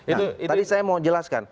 ya tadi saya mau jelaskan